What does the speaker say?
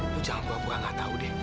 lo jangan pura pura nggak tahu deh